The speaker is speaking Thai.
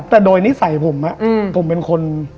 แต่โดยนิสัยผมผมเป็นคน